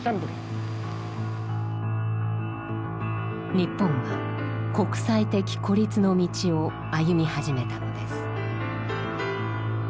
日本は国際的孤立の道を歩み始めたのです。